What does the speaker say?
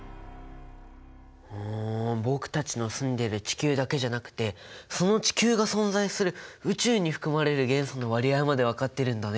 僕たちの住んでる地球だけじゃなくてその地球が存在する宇宙に含まれる元素の割合まで分かってるんだね。